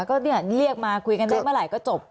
ก็เนี่ยเรียกมาคุยกันได้เมื่อไหร่ก็จบ